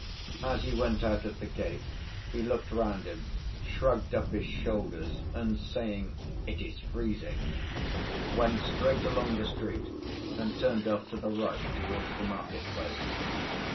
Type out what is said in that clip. As he went out at the gate he looked round him, shrugged up his shoulders, and saying "It is freezing," went straight along the street and turned off to the right towards the market‐place.